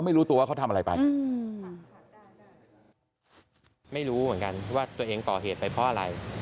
ไม่รู้เหมือนกันว่าตัวเองก่อเหตุไปเพราะอะไร